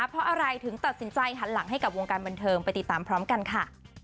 เพราะอะไรถึงตัดสินใจหันหลังให้กับวงการบันเทิงไปติดตามพร้อมกันค่ะ